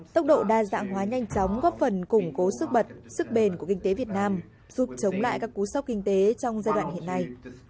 tốc độ đa dạng hóa nhanh chóng góp phần củng cố sức bật sức bền của kinh tế việt nam giúp chống lại các cú sốc kinh tế trong giai đoạn hiện nay